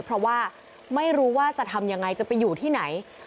เพราะว่าไม่รู้ว่าจะทำยังไงจะไปอยู่ที่ไหน